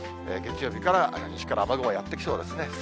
月曜日から、西から雨雲がやって来そうですね。